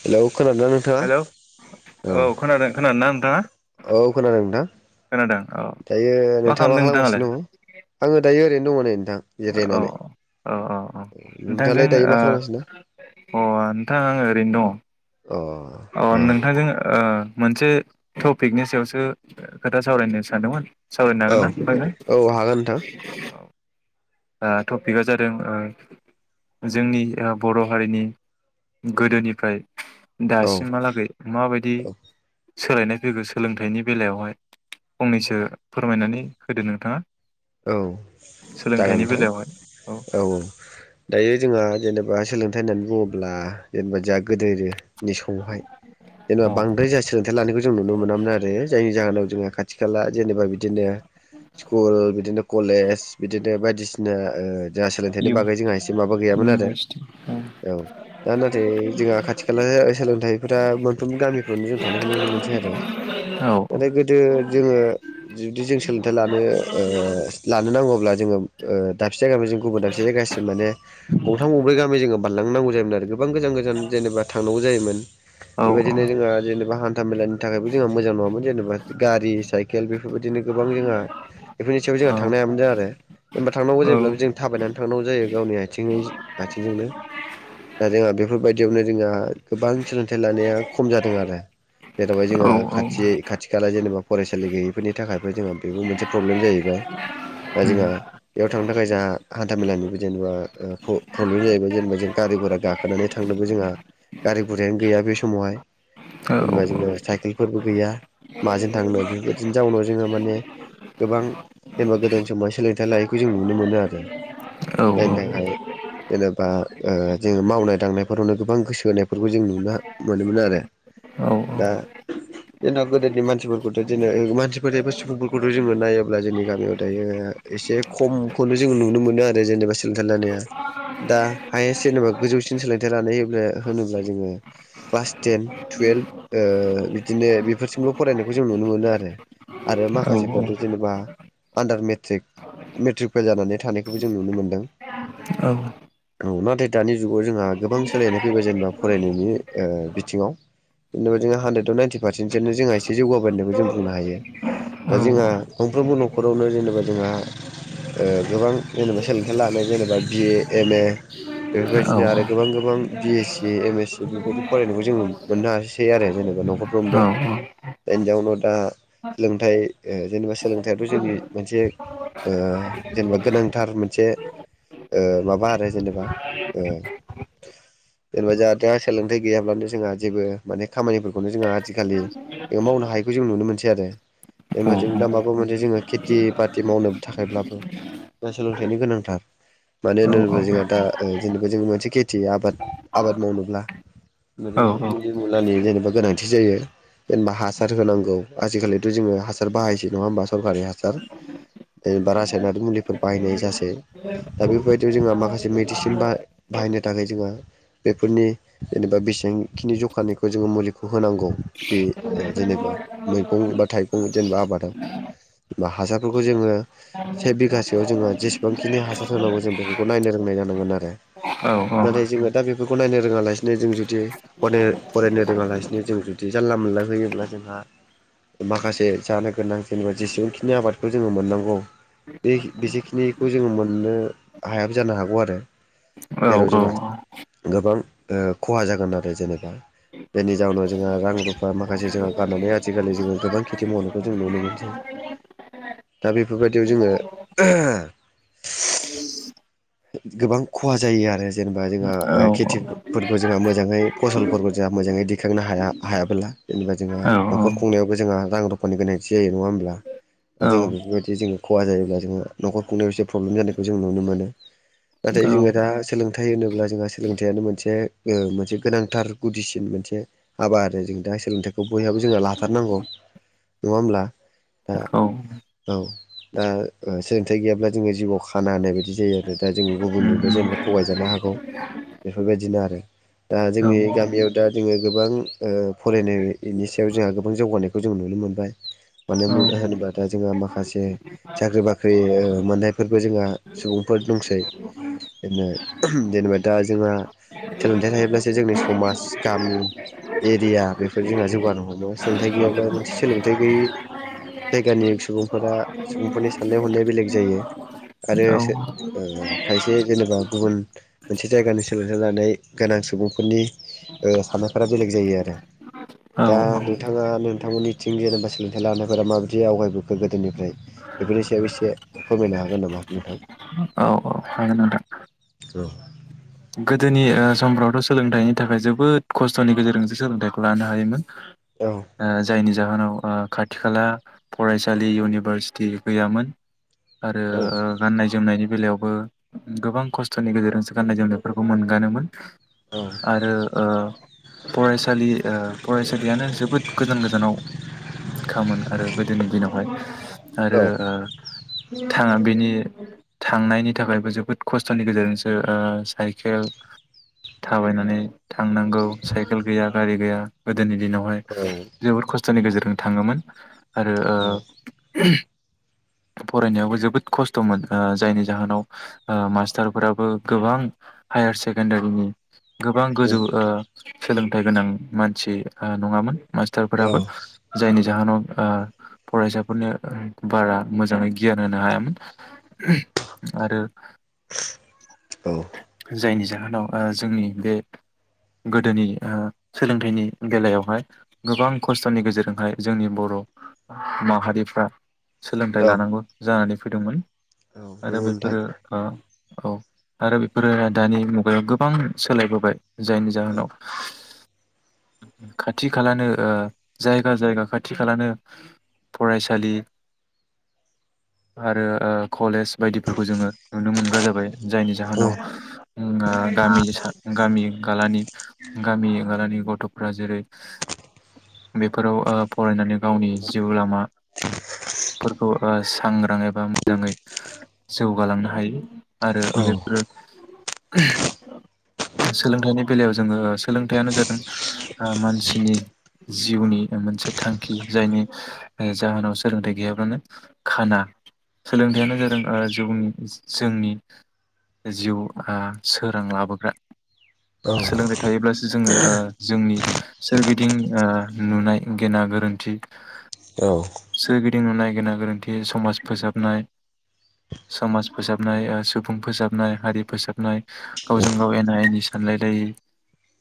Hello खोनादोंना hello नोंथाङा औ हो औ खोनादों नोंथां औ दायो नोंथाङा मा खालामदों नोंथाङालाय खालामगासिनो दङ आङो दायो ओरै दं ओरैनो औ औ जिरायनानै औ औ औ नोंथांजों नोंथाङालाय दायो मा अ खालामगासिनो दं नोंथां आङो ओरैनो दङ' अ नोंथांजों ओ मोनसे टपिकनि सायावसो खोथा सावरायनो सानदोंमोन । सावरायनो औ हागोन ना औ हागोन नोंथां मायहाय औ ओ टपिकआ जादों ओ जोंनि ओ बर' हारिनि गोदोनिफ्राय औ दासिमहालागै माबायदि औ सोलायनाय फैगौ सोलोंथाइनि बेलायावहाय फंनैसो फोरमायनानै होदो नोंथाङा औ। जागोन थाइनि नोंथां बेलायावहाय औ। दायो जोंहा जेनेबा सोलोंथाइ होननानै बुङोब्ला जेनेबा जा गोदो- नि समावहाय जेनेबा औ बांद्राय जोंहा सोलोंथाइ लानायखौ जों नुनो मोनामोन आरो जायनि जाहोनाव जोंहा खाथि खाला जेनेबा बिदिनो स्कुल बिदिनो कलेज बिदिनो बायदिसिना ओ जोंहा सोलोंथाइनि इयुन बागै जोंहा एसे माबा गैयामोन आरो औ दा नाथाय जोंहा खाथि खाला सोलोंथाइफोरा मोनफ्रोमबो गामिफ्रावनो जों थानायखौ नुनो मोनसै आरो औ नाथाय गोदो- जोङो जुदि जों सोलोंथाइ लानो ओ लानो नांगौब्ला जोङो ओ दाबसे जायगानिफ्राय जों गुबुन दाबसे जायगासिम माने गंथाम गंब्रै गामि जोङो बारलांनांगौ जायोमोन आरो गोबां गोजान गोजान जेनेबा थांनांगौ जायोमोन। औ बेबायदिनो जोङो जेनेबा हान था मेलानि थाखायबो जोंहा मोजां नङामोन जेनेबा गारि साइकेल बेफोरबायदिनो गोबां जोंहा बेफोरनि सायाव जोंहा औ थांनो हायामोन जों आरो होनबा थांगौ औ जायोब्लाबो औ जों थाबायनानै थांगौ जायो गावनि आइथिंयै आइथिंजोंनो दा जोंहा बेफोर बायदि। बिदियावनो जोंहा गोबां सोलोंथाइ लानाया खम जादों आरो जेरावहाय जोंहा औ खाथि खाथि खाला जेनेबा फरायसालि गैयैफोरनि थाखायबो जोंहा बेबो मोनसे प्रब्लेम जाहैबाय। दा जोंहा बेयाव थांनो थाखाय जा हानथा-मेला जेनेबा ओ प्रब्लेम जायोमोन जेनेबा जों गारि बारा गाखोनानै थांनोबो जोंहा गारि गुरायानो गैया बे समावहाय जेनबा जोङो साइकेलफोरबो गैया माजों थांनो बेफोर बायदिनो जावनाव जोङो माने गोबां जेनेबा गोदान समाव सोलोंथाइ लायैखौ जों नुनो मोनो आरो। जायनि थाखाय जेनेबा ओ जोङो मावनाय दांनायफोरावनो गोबां गोसो होनाय। बेफोरखौ जों नुनो मोनोमोन आरो दा जेनेबा गोदोनि मानसिफोरखौथ' जेने मानसिफोर एबा सुबुंफोरखौथ' जोङो नायोब्ला जोंनि गामियाव। ओम दायो एसे खमखौनो जों नुनो मोनो आरो जेनेबा सोलोंथाइ लानाया दा हायेस्ट जेनेबा गोजौसिन सोलोंथाइ लानाय होनोब्ला जोङो क्लास टेन टुयेल्भ ओ बिदिनो बेफोरथिमबो फरायनायखौ जों नुनो मोनो आरो आरो माखासेफ्राथ' जेनेबा आन्दार मेट्रिक मेट्रिक फेल जानानै थानायखौबो जों नुनो मोनदों औ नाथाय दानि जुगाव जोंहा गोबां सोलायनाय फैबाय जेनेबा फरायनायनि ओ बिथिङाव जेनेबा जोंहा हानद्रेदआव नाइन्टि पर्सेन्टसोआनो जोंहा एसे जौगाबाय होनखौ जों बुंनो हायो दा जोंहा मोनंफ्रोमबो न'ख रावनो जेनेबा जोंहा ओ गोबां जेनेबा सोलोंथाइ लानाय जेनेबा बिए एम ए औ बेफोरबायदिनो आरो गोबां गोबां B S C M S C बेफोरबायदि फरायनायखौ जों मोननो हासै आरो जेनेबा न'खरफ्रोमबो बेनि जाउनाव दा सोलोंथाइ जेनेबा सोलोंथाइ ' जोंनि मोनसे ओ जेनेबा गोनांथार मोनसे ओ माबा आरो जेनेबा ओ जेनेबा जोंहा दा सोलोंथाइ गैयाब्लानो जोंहा जेबो माने खामानिफोरखौनो जोंहा आजिखालिज मावनो हायैखौ जों नुनो मोनसै आरो जेनेबा जों दा माबा मोन जोङो खेथि बाथि मावनो थाखायब्लाबो दा सोलोंथाइनि गोनांथार मानो होनोब्ला जोंहा दा ओ जेनेबा जों मोनसे खेथि आबाद आबाद मावनोब्ला [unintelligible] होनानि जेनेबा गोनांथि जायो जेनेबा हासार होनांगौ आजिखालिथ' जोङो हासार बाहायसै नङा होमबा सरखारि हासार जेनेबा रासायनारि मुलिफोर बाहायनाय जासै दा बेफोरबायदियाव जोंहा माखासे मेडिसिन बाहाय बाहायनो थाखाय जोंहा बेफोरनि जेनेबा बेसेबांखिनि जखानायखौ जोङो मुलिखौ होनांगौ बे ओ जेनेबा मैगं बा थाइगं जेनेबा आबादा हासारफोरखौ जोङो से बिगासोयाव जोङो जेसेबांखिनि हासार होनांगौ जों बेफोरखौ नायनो रोंनाय जानांगोन आरो नाथाय जोङो दा बेफोरखौ नायनो रोङा लासिनो जों जुदि फराय फरायनो रोङालासिनो जों जुदि जानला मोनला होयोब्ला जोंहा माखासे जानो गोनां जेनेबा जेसेबांखिनि आबादखौ जोङो मोननांगौ बे बेसेखिनिखौ जोङो मोननो हायाबो जानो हागौ आरो जेराव जोंहा गोबां ओ खहा जागोन आरो जेनेबा बेनि जाउनाव जोंहा रां रुफा माखासे जोंहा गारनानै आजिखालि जोङो गोबां खेथि मावनायखौ जों नुनो मोनो दा बेफोरबायदियाव जोङो गोबां खहा जायो आरो जेनेबा जोंहा ओ खेथिफोरखौ जोंहा मोजाङै फसलफोरखौ जोंहा मोजाङै दैखांनो हाया हायाबोला जेनेबा जोंहा न'खर हागोन खुंनायावबो जोंहा रां रुफानि गोनांथि जायो नङा होमब्ला दा जोङो बेफोरबायदि जोङो खहा जायोब्ला जोहा न'खर खुंनायाव एसे प्रब्लेम जानायखौ जों नुनो मोनो नाथाय जोङो दा सोलोंथाइ होनोब्ला जोंहा सोलोंथायाइयानो मोनसे ओ मोनसे गोनांथार गुदिसिन मोनसे हाबा आरो जों दा सोलोंथाइखौ बयहाबो जोंहा लाथारनांगौ नङा होमब्ला दा औ दा ओ सोलोंथाइ गैयाब्ला जोङो जिउआव खाना होनाय बायदि जायो आरो आरो दा जोंङो गुबुनजोंबो जेनेबा थगायजानो हागौ बेफोरबायदिनो आरो दा जोंनि गामियाव दा जोङो गोबां ओ फरायनायनि सायाव जोंहा गोबां जौगानायखौ जों नुनो मोनबाय मानो होन होनोबा दा जोंहा माखासे साख्रि बाख्रि मोननायफोरबो जोंहा सुबुं फोर दंसैनो जेनेबा दा जोंहा सोलोंथाइ थायोब्लासो जोंनि समाज गामि एरिया बेफोर जोंहा जौगानो हमो सोलोंथाइ गैयाब्ला मोनसे सोलोंथाइ गैयि जायगानि सुबुंफोरा सुबुंफोरनि साननाय हनाया बेलेग जायो आरो ओ खायसे जेनेबा गुबुन मोनसे जायगानि सोलोंथाइ लानाय गोनां सुबुंफोरनि ओ साननायफोरा बेलेग जायो आरो दा नोंथाङा नोंथांमोननिथिं जेनेबा सोलोंथाइ लानायफोरा माबायदि आवगायबोखो गोदोनिफ्राय बेफोरनि सायाव एसे फोरमायनो हागोन नामा नोंथां नोंथां औ गोदोनि ओ समफ्रावथ' सोलोंथाइनि थाखाय जोबोद खस्थ'नि गेजेरजोंसो सोलोंथाइखौ लानो हायोमोन औ ओ जायनि जाहोनाव ओ खाथि खाला फरायसालि इउनिभारसिटि गैयामोन आरो गाननाय जोमनायनि बेलायाव बो गोबां खस्थ'नि गेजेरजोंसो गाननाय जोमनाय फोरखौ मोनगानोमोन औ आरो ओ फरायसालि ओफरायसालियानो जोबोद गोजान गोजानाव खामोन आरो गोदोनि दिनावहाय आरो औ ओ थाङा बेनि थांनायनि थाखायबो जोबोद खस्थ'नि गेजेरजोंसो ओ साइ खेल थाबायनानै थांनांगौ साइकेल गैया गारि गैया गोदोनि दिनावहाय औ जोबोद खस्थ' थनि गेजेरजों थाङोमोन आरो ओ औ फरायनायावबो जोबोद खस्थ'मोन ओ जायनि जाहोनाव ओ मास्टारफोराबो गोबां हायार सेकेण्डारिनि गोबां गोजौ ओ सोलोंथाइ गोनां मानसि ओ नङामोन मास्टारफोराबो औ जायनि जाहोनाव फरायसाफोरनो बारा मोजाङै गियान होनो हायामोन आरो औ जायनि जा जाहोनाव जोंनि बे गोदोनि सोलोंथाइनि बेलायावहाय गोबां खस्थ'नि गेजेरजोंहाय जोंनि बर' माहारिफ्रा सोलोंथाइ औ लानांगौ जानानै फैदोंमोन आरो नंगौ नोंथां बेफोर औ आरो बेफोरो दानि मुगायाव गोबां सोलायबोबाय जायनि औ जाहोनाव खाथि खालानो जायगा जायगा खाथि खालानो फरायसालि आरो कलेज बायदिफोरखौ जोङो नुनो मोनग्रा जाबाय जायनि औ जाहोनाव गामि गालानि गामि [unintelligible] गथ'फ्रा जेरै बेफोराव फरायनानै गावनि जिउ लामाफोरखौ सांग्रां एबा मोजाङै जौगालांनो हायो आरो औ बेफोर सोलोंथाइनि बेलायाव जोङो सोलोंथाइयानो जादों मानसिनि जिउनि मोनसे थांखि जायनि जाहोनाव सोलोंथाइ गैयाब्लानो खाना सोलोंथाइयानो जादों जनि जोंनि जिउआ सोरां लाबोग्रा औ सोलोंथाइ थायोब्लासो जोङो जोंनि सोरबिथिं दिं नुनाय गेना गोरोन्थि औ दिं गेना गोरोन्थि समाज फोसाबनाय समाज फोसाबनाय सुबुं फोसाबनाय हारि फोसाबनाय गावजों गाव एना एनि सानलायलायि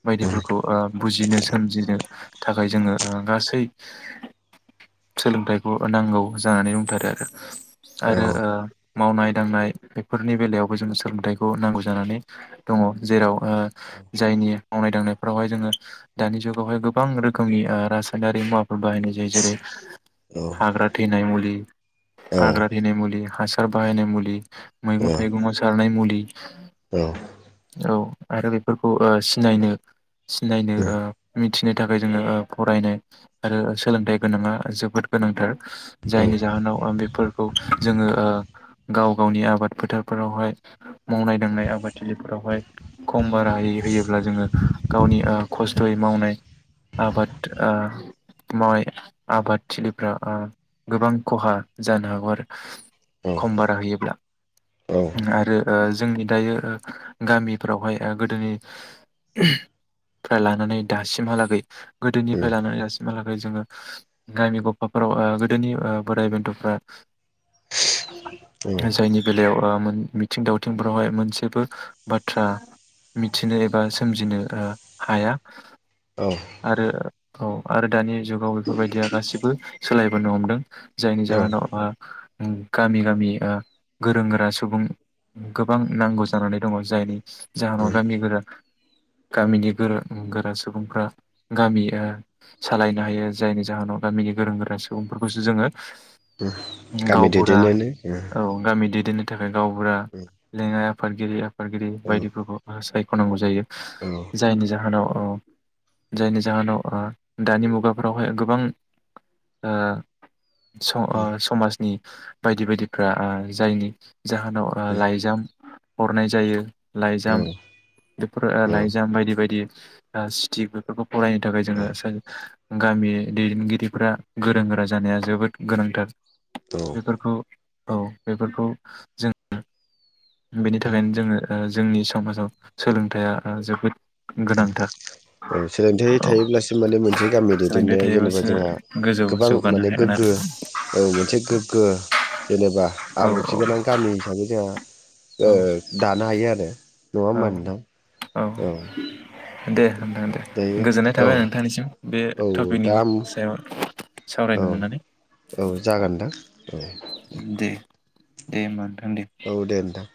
बायदिफोरखौ बुजिनो सोमजिनो थाखाय जोङो गासै सोलोंथाइखौ नांगौ जानानै बुंथारो आरो आरो मावनाय दांनाय बेफोर नि बेलायावबो जोंङो सोलोंथाइखौ नांगौ जानानै दङ जेराव जायनि मावनाय दांनायफ्रावहाय जोङो दानि जुगावहाय गोबां रोखोमनि रासायनारि मुवाफोर बाहायनाय जायो जेरै हाग्रा थैनाय मुलि औ हाग्रा थैनाय मुलि हासार बाहायनाय मुलि मैगं थाइगंआव सारनाय मुलि औ औ आरो बेफोरखौ सिनायनो सिनायनो ओ थिनो थाखाय जोङो फरायनाय आरो सोलोंथाइ गोनाङा जोबोद गोनांथार जायनि जाहोनाव आं बे फोरखौ जोङो गाव गावनि आबाद फोथारफोरावहाय मावनाय दांनाय आबादथिलिफोरावहाय खम बारा होयोब्ला जोङो गावनि ओ खस्थ'यै मावनाय आबाद ओ मावनाय आबादथिलिफ्रा आ गोबां खहा जानो हागौ खम बारा होयोब्ला औ आरो ओ जोंनि दायो गामिफ्रावहाय ओ गोदोनिफ्राय लानानै दासिमहालागै गोदोनिफ्राय लानानै दासिमहालागै जोङो गामि गफाफोराव ओ गोदोनि बोराय बेन्थ'फ्रा जायनि बेलायाव बा मोन मिथिं दावथिंफोरावहाय मोनसेबो बाथ्रा मिथिनो एबा सोमजिनो ओ हाया आरो औ आरो दानि जुगाव बेफोरबायदिया गासिबो सोलायबोनो हमदों जायनि जाहोनाव ओ उम गामि गामि ओ गोरों गोरा सुबुं गोबां नांगौ जानानै दङ जायनि जाहोनाव गामि गोरा गामिनि गोरों गोरा सुबुंफ्रा गामि ओ सालायनो हायो जायनि जाहोनाव गामिनि गोरों गोरा सुबुंफोरखौसो जोङो गामि गावबुरा दैदेननानै औ गामि दैदेननो थाखाय गावबुरा लेङा फादगिरिया फादगिरि औ बायदिफोरखौ होनांगौ जायो जायनि जाहोनाव अ जायनि जाहोनाव ओ दानि मुगाफोरावहाय गोबां ओ स ओ समाजनि बायदि बायदिफ्रा ओ जायनि जाहोनाव ओ लाइजाम हरनाय जायो औ लाइजाम बेफोर औ लाइजाम बायदि बायदि ओ सिटिक बेफोरखौ फरायनो थाखाय जोङो गामि दैदेनगिरिफोरा गोरों गोरा जानाया जोबोद गोनांथार । बेफोरखौ औ बेफोरखौ जोङो बेनि थाखायनो जोङो ओ जोंनि समाजाव सोलोंथाइया जोबोद गोनांथार औ सोलोंथाइ औ थायोब्लासो माने मोनसे गामि सोलोंथाइ दैदेननायाव जेनेबा थायोबासो जोंहा गोजौ गोबां जौगानो माने हागोन गोग्गो औ मोनसे गोग्गो जेनेबा आरो आब्रुथि औ गोनां गामि हिसाबै जोंहा ओ औ दानो हायो आरो नङा औ होमबा नोंथां औ दे नोंथां दे दायो गोजोननाय औ थाबाय नोंथांनिसिम बे औ टपिकनि दा सायाव औ सावरायनो मोननानै औ जागोन नोंथां औ दे दे होमबा नोंथां दे औ दे नोंथां।